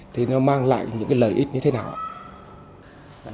thì nó mang lại những cái lợi ích như thế nào ạ